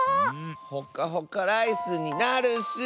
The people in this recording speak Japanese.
ほかほかライスになるッス。